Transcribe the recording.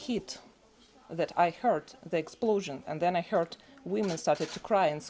kebunuhannya dan kemudian saya dengar perempuan mulai menangis dan menangis